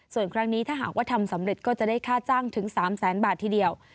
ส่วนครั้งนี้ถ้าหากว่าทำสำเร็จก็จะได้ค่าจ้างถึง๓แสนบาททีเดียว